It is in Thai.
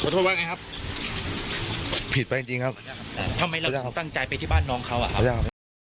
โทษว่าไงครับผิดไปจริงจริงครับทำไมเราตั้งใจไปที่บ้านน้องเขาอ่ะ